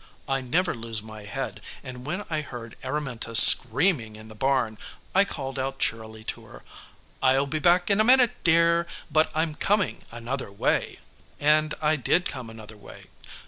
I never lose my head, and when I heard Araminta screaming in the barn, I called out cheerily to her, "I'll be back in a minute, dear, but I'm coming another way." And I did come another way.